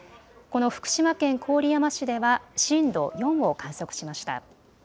この福島県郡山市では震度４を観測しました。